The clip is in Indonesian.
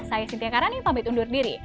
saya sintia karani pamit undur diri